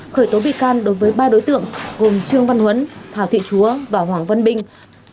khởi tố bị can đối với ba đối tượng gồm trương văn huấn thảo thị chúa và hoàng văn binh